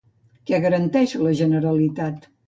Què garanteix la Generalitat?